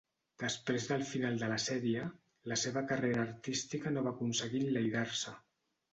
Després del final de la sèrie, la seva carrera artística no va aconseguir enlairar-se.